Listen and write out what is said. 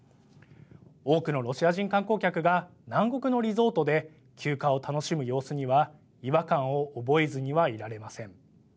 多くのロシア人観光客が南国のリゾートで休暇を楽しむ様子には違和感を覚えずにはいられません。